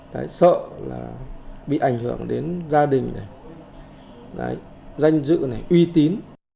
danh dự này uy tín